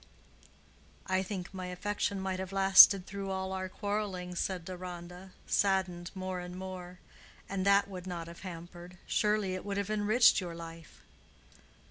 "I think my affection might have lasted through all our quarreling," said Deronda, saddened more and more, "and that would not have hampered—surely it would have enriched your life."